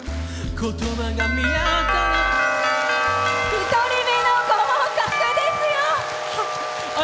１人目の合格ですよ！